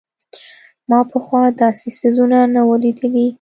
ما پخوا داسې څيزونه نه وو لېدلي.